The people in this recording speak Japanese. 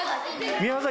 宮崎